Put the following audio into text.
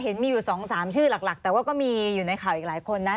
เห็นมีอยู่๒๓ชื่อหลักแต่ว่าก็มีอยู่ในข่าวอีกหลายคนนะ